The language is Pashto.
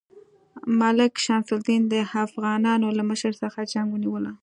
ملک شمس الدین د افغانانو له مشر څخه جنګ ونیوله.